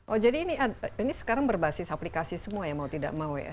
oh jadi ini sekarang berbasis aplikasi semua ya mau tidak mau ya